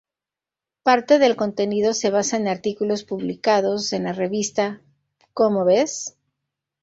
Parte del contenido se basa en artículos publicados en la revista "¿Cómo Ves?